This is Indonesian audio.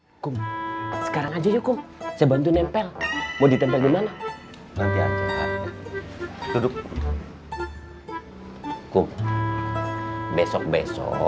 hai kum sekarang aja yukum sebantu nempel mau ditempel gimana nanti aja duduk kub besok besok